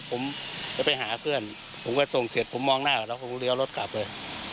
ผมจะไปหาเพื่อนผมก็ส่งเสร็จผมมองหน้าแล้วผมก็เลี้ยวรถกลับเลย